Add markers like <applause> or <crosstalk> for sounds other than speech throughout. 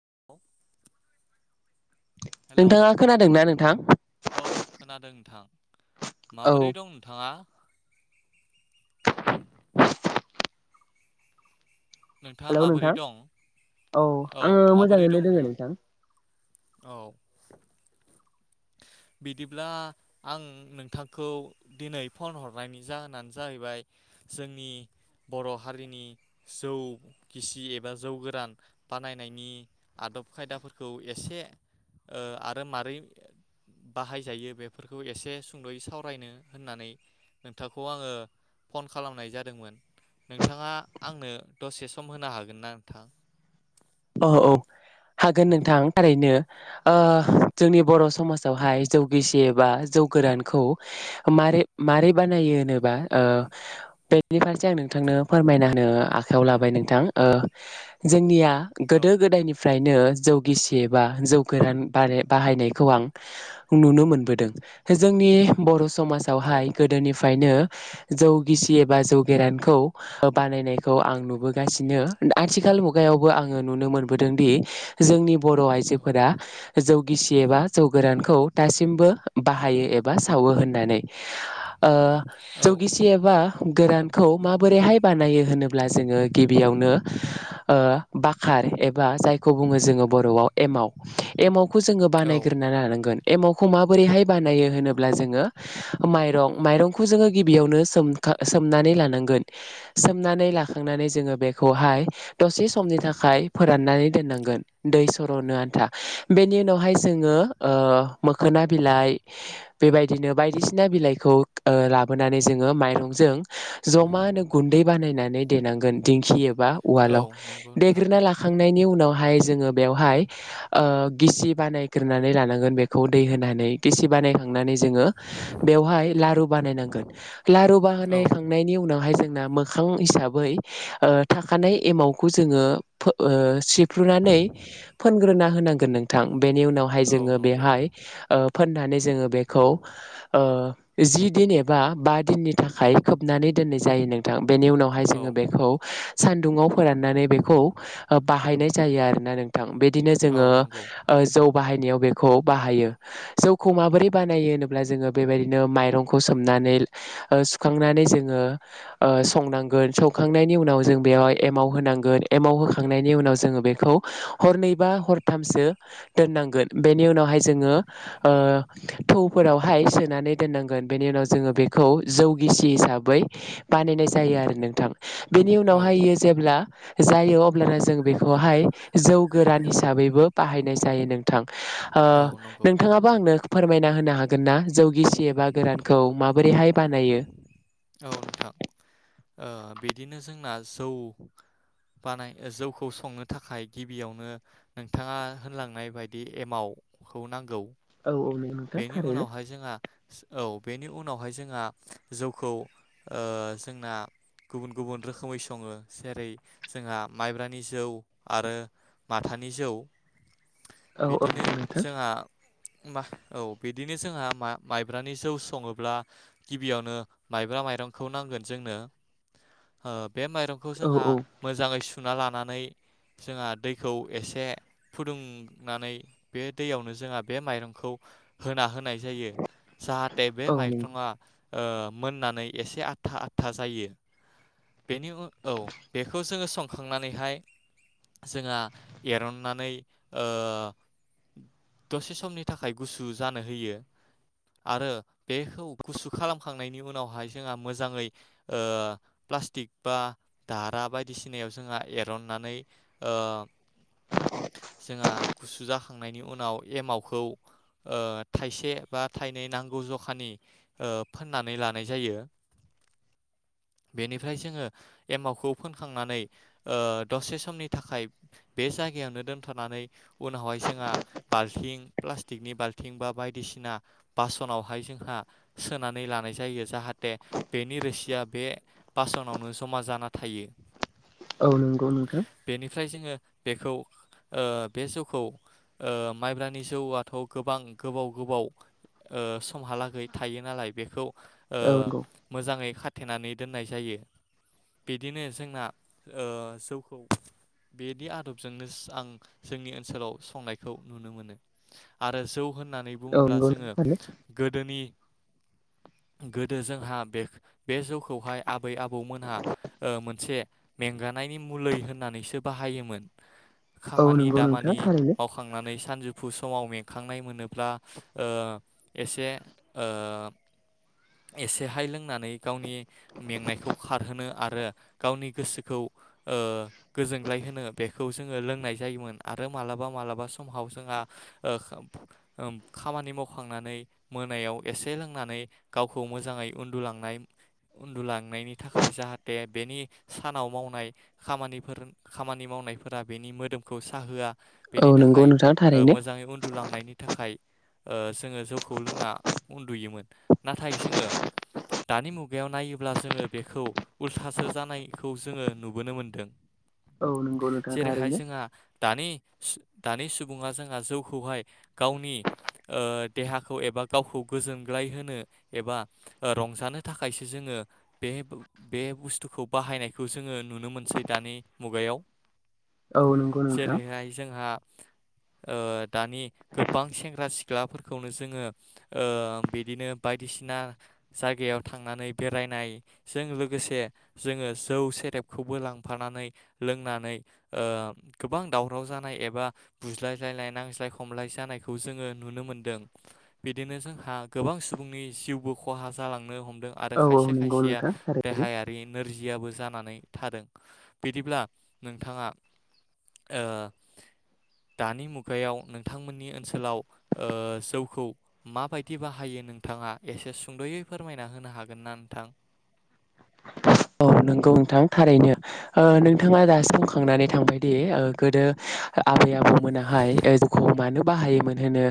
<inaudible> Hello नोंथाङा खोनादोंना नोंथां? औ खोनादों नोंथां औ माबोरै दं नोंथाङा नोंथाङा हेलौ माबोरै नोंथां दं औ आङो माबोरै दं मोजाङैनो दोङो नोंथाङा नोंथां औ बिदिब्ला आं नोंथांखौ दिनै फन हरनायनि जाहोनानो जाहैबाय जोंनि बर' हारिनि जौ गिसि एबा जौ गोरान बानायनायनि आदब खायदाफोरखौ एसे ओ आरो मारै बाहायजायो बेफोरखौ एसे सुंद'यै सावरायनो होननानै नोंथांखौ आङो फन खालामनाय जादोंमोन नोंथाङा आंनो दसे सम होनो हागोन ना नोंथां औ औ हागोन नोंथां थारैनो ओ जोंनि बर' समाजावहाय जौगिसिबा जौ गोरानखौ मारै मारै बानायो होनोबा ओ बेनि फारसे आं नोंथांनो फोरमायना होनो आखायाव लाबाय नोंथां ओ जोंनिया औ गोदो गोदायनिफ्रायनो जौ गिबि एबा जौ गोरान बाहाय बाहायनायखौ आं नुनो मोनबोदों दा जोंनि बर' समाजाव समाजावहाय औ गोदोनिफ्रायनो जौ गिसि एबा जौ गोरानखौ बानायनायखौ आं नुबोगासिनो आथिखाल मुगायावबो आं ओ नुनो मोनबोदों दि जोंनि बर' औ आइजोफोरा जौ गिसि एबा जौ गोरान खौ दासिमबो बाहायो एबा सावो होननानै आ औ जौ गिसि एबा गोरानखौ माबोरैहाय बानायो होनोब्ला जोङो गिबियावनो बाखार एबा जायखौ बुङो जोङो बर'आव एमाव एमाव खौ जोङो बानायग्रोना लानांगोन एमावखौ माबोरैहाय बानायो होनोब्ला जोङो माइरं माइरंखौ जोङो गिबियावनो सोम सोमनानै लानांगोन सोमनानै लाखांनानै जोङो बेखौहाय दसे समनि थाखाय फोराननानै दोननांगोन दै सर'नो आन्था बेनि उनावहाय जोङो ओ मोखोना बिलाइ बेबायदिनो बायदिसिना बिलाइखौ ओ लाबोनानै जोङो माइरंजों जमानो गुन्दै बानायनानै देनांगोन दिंखियाव बा औ उवालाव नंगौ नोंथां देग्रोनना लाखांनायनि उनाव हाय जोङो बेवहाय ओ गिसि बानायग्रोनानै लानांगोन बेखौ दै होनानै गिसि बानायखां खांनानै जोङो बेवहाय लारू बाहायनांगोन लारू औ बानायखांनायनि उनावहाय जोङो ओ मोखां हिसाबै ओ थाखानाय एमावखौ जोङो ओ सिफ्रुनानै फोनग्रोना होनांगोन नोंथां बेनि उनावहाय औ जोङो नंगौ बेहाय ओ फोननानै जोङो बेखौ ओ जि दिन एबा बा दिननि थाखाय खोबनानै दोननाय जायो नों थां बेनि उनावहाय औ जोङो बेखौ सान्दुंङाव फोराननानै बेखौ बाहायनाय जायो आरोना नों थां बिदिनो औ जोङो नंगौ जौ बाहायनायाव बेखौ बाहायो जौखौ माबोरै बानायो होनोब्ला जोङो बेबायदिनो माइरंखौ सोमनानै सुखांनानै जोङो संनांगोन सौखांनायनि उनाव जों बेयावाय एमाव होनांगोन एमाव होखांनायनि उनाव जोङो बेखौ हरनै बा हरथामसो दोननांगोन बेनि उनावहाय जोङो ओ थौफोरावहाय सोनानै दोननांगोन बेनि उनाव जोङो बेखौ जौगिसि हिसाबै बानायनाय जायो आरो नोंथां बेनि औ उनावहायो जेब्ला जायो अब्लाना जों बेखौहाय जौ गोरान हिसाबैबो बाहायनाय जायो नों थां ओ औ नंगौ नोंथाङाबो आंनो फोरमायना होनो हागोन हागोन ना जौगिसि एबा गोरानखौ माबोरैहाय बानायो औ नोंथां ओ बिदिनो जोंना जौ बानाय जौखौ संनो थाखाय गिबियावनो नोंथाङा होनलांनाय बायदि एमावखौ नांगौ औ औ नोंथां बेनि थारैनो उनावहाय जोंहा औ बेनि उनावहाय जोंहा जौखौ ओ जोंना गुबुन गुबुन रोखोमै सङो जेरै जोंहा माइब्रानि जौ आरो माथानि जौ औ औ बिदिनो नोंथां जोंहा बा औ बिदिनो जोंहा माइब्रानि जौ सङोब्ला गिबियावनो माइब्रा माइरंखौ नांगोन जोंनो बे माइरंखौ औ जोंहा औ मोजाङै सु ना लानानै जोंहा दैखौ एसे फुदुंनानै बे दैयावनो जोंहा बे माइरंखौ होना होनाय जायो जाहाथे बे औ नंगौ माइरङा ओ मोननानै एसे आथा आथा जायो बेनि उन औ बेखौ जोङो संखांनानैहाय जोंहा एरननानै ओ दसे समनि थाखाय गुसु जानो होयो आरो बेखौ गुसु खालामखांनायनि उनावहाय जोंहा मोजाङै ओ प्लास्टिक बा दारा बायदिसिनायाव जोंहा एरननानै ओ जोंहा गुसु जाखांनायनि उनाव एमावखौ ओ थाइसे बा थाइनै नांगौ जखानि ओ फोननानै लानाय जायो बेनिफ्राय जोङो एमावखौ फोनखांनानै ओ दसे समनि थाखाय बे जायगायावनो दोनथ'नानै उनावहाय जोंहा बाल्थिं प्लास्टिकनि बाल्थिं बा बायदिसिना बासनावहाय जोंहा सोनानै लानाय जायो जाहाथे बेनि रोसिया बे बासनावनो जमा जाना थायो औ नंगौ नोंथां बेनिफ्राय जोङो बेखौ ओ बे जौखौ ओ माइब्रानि जौआथ' गोबां गोबाव गोबाव ओ समहालागै थायो नालाय बेखौ ओ औ नंगौ मोजाङै खा थेनानै दोननाय जायो बिदिनो जोंना ओ जौखौ बिदि आदबजोंनो आं जोंनि ओनसोलाव संनायखौ नुनो मोनो आरो जौ होन नानै औ बुङोब्ला नंगौ जोङो नोंथां थारैनो गोदोनि गोदो जोंहा बे बे जौ खौहाय आ बै आबौमोनहा ओ मोनसे मेंगानायनि मलै होननानैसो बाहायोमोन औ खामानि नंगौ नोंथां दामानि थारैनो मावखांनानै सानजौफु समाव मेंखांनाय मोनोब्ला ओ एसे ओ एसेहाय लोंनानै गावनि मेंनायखौ खारहोनो आरो गावनि गोसोखौ ओ गोजोनग्लाय होनो बेखौ जोङो लोंनाय जायोमोन आरो मालाबा मालाबा समाव जोंहा ओ ओ खामानि मावखांनानै मोनायाव एसे लोंनानै गावखौ मोजाङै उनदुलांनाय उनदुलां नायनि थाखाय जाहाथे बेनि सानाव मावनाय खामानिफोर खामानि मावनायफोरा बेनि मोदोमखौ साहोआ औ बेनि नंगौ थाखाय नोंथां थारैनो ओ मोजाङै उनदुलांनायनि थाखाय ओ जोङो जौखौ लोंना उनदुयोमोन नाथाय जोङो दानि मु गायाव नायोब्ला जोङो बेखौ उलथासो जानायखौ जोङो नुबोनो मोनदों औ नंगौ नोंथां जेरैहाय थारैनो जोंहा दानि दानि सुबुङा जोंहा जौखौहाय गावनि ओ देहाखौ एबा गावखौ गोजोनग्लाय होनो एबा रंजानो था खायसो जोङो बे बे बुस्थुखौ बाहायनायखौ जोङो नुनो मोनसै दानि मुगायाव औ नंगौ नोंथां जेरैहाय जोंहा ओ दानि गोबां सेंग्रा सिख्लाफोरखौनो जोङो ओ बिदिनो बायदिसिना जायगायाव थांनानै बेरायनायजों लोगोसे जोङो जौ सेरेबखौबो लांफानानै लोंनानै ओ गोबां दावराव जानाय एबा बुज्लायलायलाय नांज्लाय खमलाय जानायखौ जोङो नुनो मोनदों बिदिनो जोंहा गोबां सुबुंनि जिउबो खहा जालांनो हम दों आरो औ औ खायसे नंगौ खायसेया नोंथां थारैनो देहायारि नोरजियाबो जा नानै थादों बिदिब्ला नोंथाङा ओ दानि मुगायाव नोंथांमोननि ओनसोलाव ओ जौखौ मा बायदि बाहायो नोंथाङा एसे सुद'यै फोरमायना हो नो हागोन ना नोंथां औ नंगौ नोंथां थारैनो ओ नोंथाङा दा औ फुंखांनानै थांबायदि ओ गोदो आबै आबौमोनाहाय जौखौ मानो बाहायोमोन होनो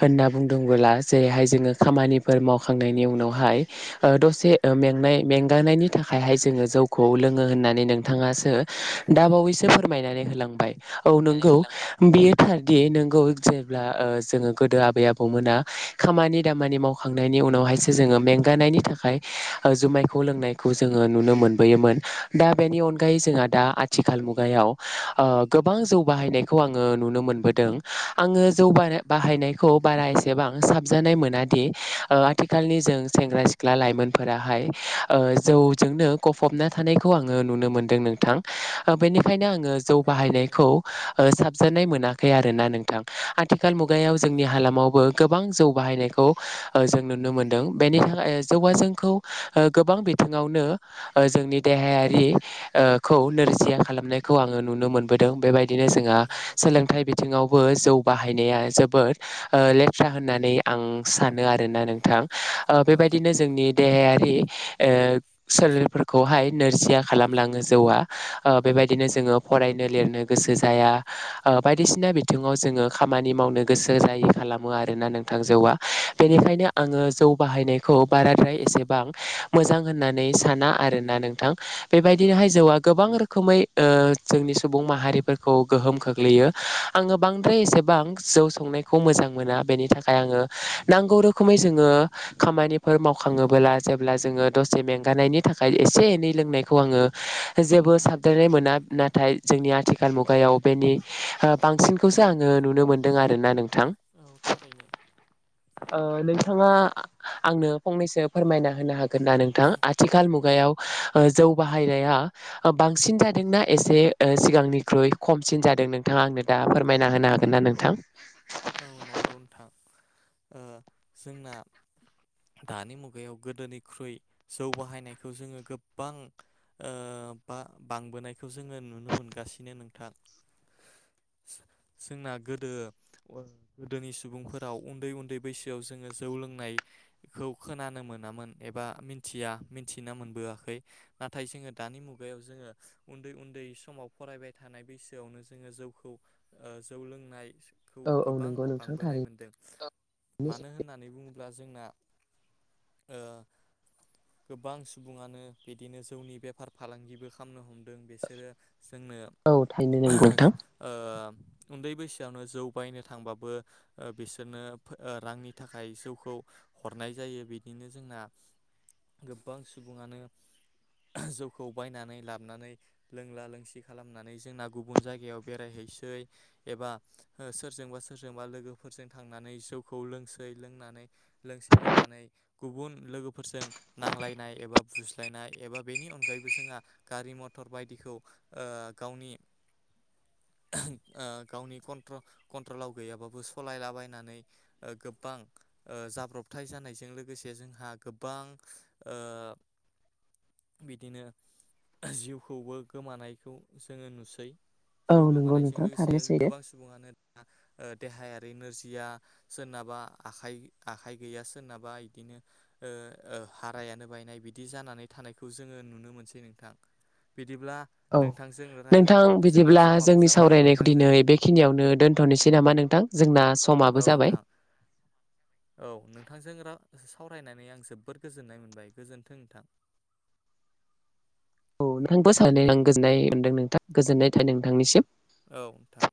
होनना बुंदोंबोला जेरैहाय जोङो खामानिफोर मावखांनायनि उनावहाय ओ दसे मेंनाय में गानायनि थाखायहाय जोङो जौखौ लोङो होननानै नोंथाङासो दाबावैसो फोरमायनानै होलांबाय औ नंगौ बेयो थार दि नंगौ जेब्ला ओ जोङो गोदो आबै आबौमोना खामानि दामानि मावखांनायनि उनावहायसो जोङो मेंगानायनि थाखाय ओ जुमाय खौ लोंनायखौ जोङो नुनो मोनबोयोमोन दा बेनि अनगायै जोंहा दा आथिखाल मुगायाव ओ गोबां जौ बाहायनायखौ आङो नुनो मोनबोदों आङो जौ बा बाहायनायखौ बारा एसेबां साबजानाय मोनादि ओ आथिखालनि जों सेंग्रा सिख्ला लाइमोनफोराहाय ओ जौजोंनो गफबना थानायखौ आङो नुनो मोनदों नोंथां ओ बेनिखायनो आं जौ औ बाहायनायखौ थारैनो ओ साबजानाय मोना खै आरो ना नोंथां आ थिखाल औ मुगायाव जोंनि हालामावबो गोबां जौ बाहायनायखौ ओ जों नुनो मोनदों बेनि थाखाय जौआ जोंखौ ओ गोबां बिथिङावनो ओ जोंनि देहायारि ओ खौ नोरजिया खालामनायखौ आङो नुनो मोनबोदों बेबाय दिनो जोंहा नंगौ सोलोंथाइ बिथिङाव बो जौ बाहायनाया जोबोद ओ लेथ्रा होननानै आं सानो आरो ना नोंथां ओ औ बेबायदिनो जोंनि देहायारि ओ सोलेरफोरखौहाय नोरजिया खालामलाङो जौआ बेबायदिनो जोङो फरायनो लिरनो गोसो जाया आ बायदिसिना बिथिङाव जोङो खामानि मावनो गोसो जायै खालामो आरो ना नोंथां जौआ औ बेनिखायनो आङो जौ बाहायनायखौ बाराद्राय एसेबां मोजां होननानै साना आरो ना नोंथां औ बेबायदिहाय जौआ गोबां रोखोम खोमै जोंनि सुबुं माहारिफोरखौ गोहोम खोख्लैयो आङो बांद्राय एसेबां जौ संनायखौ मोजां मोना बेनि थाखाय आङो नांगौ रोखोमै जोङो खामानिफोर मावखाङोबोला जे जोङो दसे मेंगानायनि थाखाय एसे एनै लोंनायखौ आङो जेबो साबदायनाय मोना नाथाय जोंनि आथिखाल मुगायाव बेनि बांसिनखौसो आङो नुनो मोनदों आरो ना नों औ थारैनो नोंथाङा आंनो फंनैसो फोरमायना होनो हागोन गोन ना नोंथां आथिखाल मुगायाव जौ बाहायनाया बांसिन जादों ना एसे ओ सिगांनिख्रुइ खमसिन जादों नोंथाङा आंनो दा फोरमायना होनो हागोन ना नोंथां औ नंगौ नोंथां जोंना दानि मुगायाव गोदोनिख्रुइ जौ बाहायनायखौ जोङो गोबां बा बांबोनायखौ जोङो नुनो मोनगासिनो नोंथां जोंना गोदो गोदोनि सुबुंफोराव उन्दै उन्दै बैसोआव जोङो जौ लोंनायखौ खोनानो मोनामोन एबा मिथिया मिन्थिना मोनबोआखै नाथाय जोङो दानि मुगायाव जोङो उन्दै उन्दै समाव फरायबाय थानाय बैसोआवनो जोङो जौखौ जौ लोंनाय खौ औ औ गोबां नंगौ नोंथां बांबोनाय थारैनो मोनदों मानो होननानै बुङोब्ला जोंना ओ गोबां सुबुङानो बिदिनो जौनि बेफार फालांगिबो खालामनो हमदों बिसोरो जोंनो औ थारैनो नंगौ नोंथां। ओ उन्दै बैसोआवनो जौ बायनो थांबाबो बिसोरनो रांनि थाखाय जौखौ हरनाय जायो बिदिनो जोंना गोबां सुबुङानो जौखौ बायनानै लाबोनानै लोंला लोंसि खालामनानै जोंना गुबुन जायगायाव बेरायहैसै एबा सोरजोंबा सोरजोंबा लोगोफोरजों थांनानै जौखौ लोंसे लोंनानै लोंसे लोंनानै गुबुन लोगोफोरजों नांलायनाय एबा बुज्लायनाय एबा बेनि अनगायैबो जोंहा गारि मथर बायदिखौ गावनि गावनि कन्ट्रलाव गैयाबाबो सालायलाबायनानै गोबां जाब्रबथाय जानायजों लोगोसे जोंहा गोबां बिदिनो जिउखौबो गोमानायखौ जोङो नुसै औ जिउ नंगौ गोमानायजों नोंथां लोगोसे थारैनो सैथो गोबां सुबुङानो देहायारि नोरजिया सोरनाबा आखाइ गैया सोरनाबा बिदिनो हारायानो बायनाय बिदि जानानै थानायखौ जोङो नुनो मोनसै नोंथां बिदिब्ला औ नोंथांजों राय्लाय नोंथां जोंना बिदिब्ला समाबो जोंनि जाबाय सावरायनायखौ नोंथांजों दिनै बेखिनियावनो दोनथनोसै नामा नोंथां जोंना समाबो औ जाबाय। नोंथां औ नोंथांजों रा सावरायनानै आं जोबोर गोजोननाय मोनबाय गोजोनथों नोंथां औ <inaudible> नोंथांनिसिम औ नोंथां